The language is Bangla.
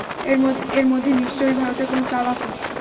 এর মধ্যে নিশ্চয় ভারতের কোনো চাল আছে।